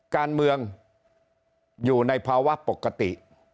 การเมืองอยู่ในภาวะปกติ